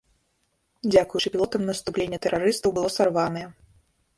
Дзякуючы пілотам наступленне тэрарыстаў было сарванае.